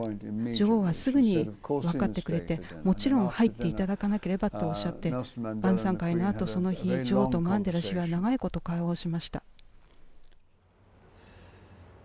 女王は、すぐに分かってくれてもちろん入っていただかなければとおっしゃって晩さん会のあとその日、女王とマンデラ氏は長いこと会話をしました。